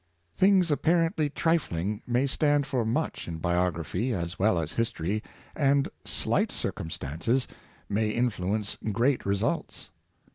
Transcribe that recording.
Things apparently trifling may stand for rpjch in biography as well as history, and slight circuj distances may influence great results.